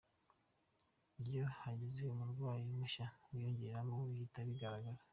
Iyo hagize umurwayi mushya wiyongeramo bihita bigaragara.